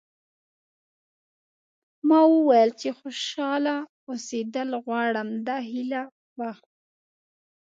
ما وویل چې خوشاله اوسېدل غواړم دا هیله وه.